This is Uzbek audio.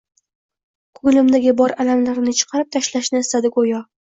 Ko`nglimdagi bor alamlarini chiqarib tashlashni istadi, go`yo